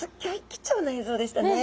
貴重な映像でしたね。